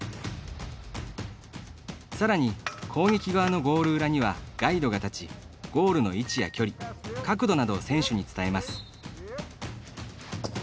さらに攻撃側のゴールの裏にはガイドが立ちゴールの位置や距離、角度などを選手に伝えます。